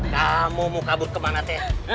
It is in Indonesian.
kamu mau kabur kemana teh